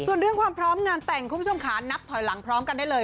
ส่วนเรื่องความพร้อมงานแต่งคุณผู้ชมค่ะนับถอยหลังพร้อมกันได้เลย